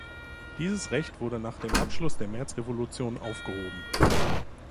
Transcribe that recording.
Dieses Recht wurde nach dem Abschluss der Märzrevolution aufgehoben.